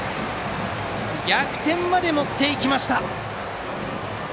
逆転まで持っていきました。